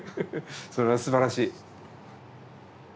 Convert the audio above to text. それはすばらしい！